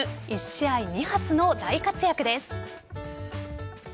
１試合２発の大活躍です。